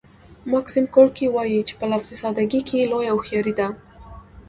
ماکسیم ګورکي وايي چې په لفظي ساده ګۍ کې لویه هوښیاري ده